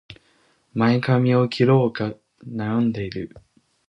前髪を切ろうか迷っている